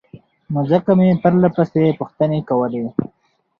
نو ځکه مې پرلهپسې پوښتنې کولې